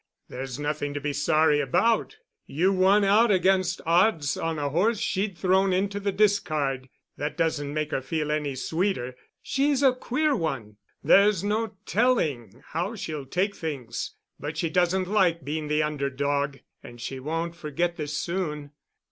"There's nothing to be sorry about. You won out against odds on a horse she'd thrown into the discard. That doesn't make her feel any sweeter. She's a queer one. There's no telling how she'll take things. But she doesn't like being the under dog, and she won't forget this soon."